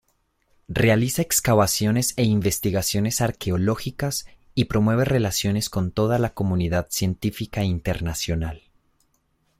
Realiza excavaciones e investigaciones arqueológicas y promueve relaciones con toda la comunidad científica internacional.